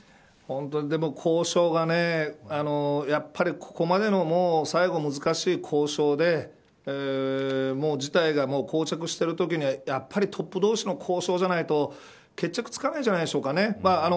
本当に、でも交渉がやはり、ここまでのこの最後難しい交渉で事態が、こう着しているときにやはりトップ同士の交渉じゃないと、決着つかないんじゃないでしょうか。